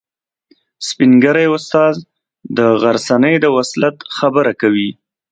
سپین ږیری استاد د غرڅنۍ د وصلت خبره کوي.